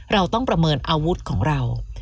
เราต้องประเมินอาวุธของเรา